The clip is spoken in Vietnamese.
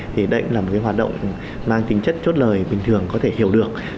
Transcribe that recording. thì đây là một cái hoạt động mang tính chất chốt lời bình thường có thể hiểu được